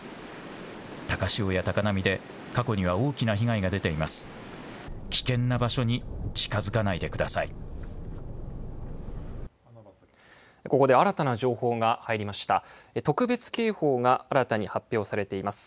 高潮や高波で過去には大きな被害が出ています。